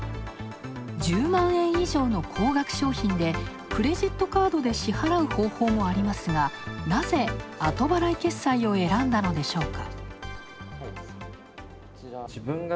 １０万円以上の高額商品でクレジットカードで支払うありますが、なぜ後払い決済を選んだのでしょうか。